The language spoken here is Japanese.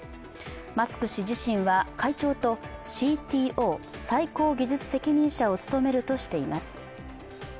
マスク氏自身は会長とＣＴＯ＝最高技術責任者を務めるとしています。